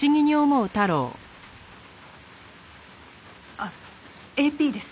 あっＡＰです。